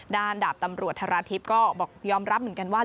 ด้านดาบตำรวจธราชิบก็ยอมรับเหมือนกันว่า